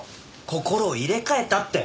心を入れ替えたって。